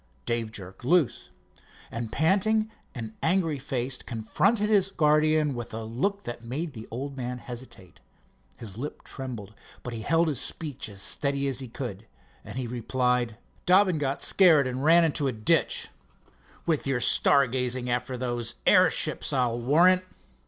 Dave jerked loose, and panting and angry faced confronted his guardian with a look that made the old man hesitate. His lip trembled, but he held his speech as steady as he could, as he replied: "Dobbin got scared and ran into the ditch." "With your star gazing after those airships I'll warrant."